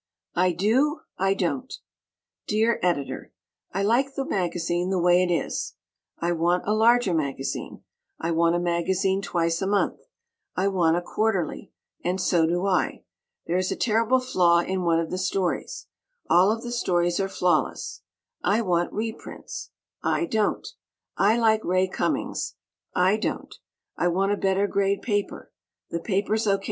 I Do; I Don't Dear Editor: "I like the magazine the way it is," "I want a larger magazine," "I want a magazine twice a month," "I want a quarterly," and so do I, "There is a terrible flaw in one of the stories," "All of the stories are flawless," "I want reprints," "I don't," "I like Ray Cummings," "I don't," "I want a better grade paper," "The paper's O.